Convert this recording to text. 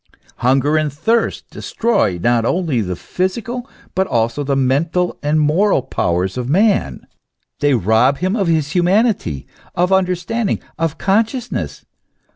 Hunger and thirst destroy not only the physical but also the mental and moral powers of man; they rob him of his humanity of understanding, of consciousness.